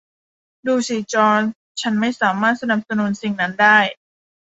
ดูสิจอห์น ฉันไม่สามารถสนับสนุนสิ่งนั้นได้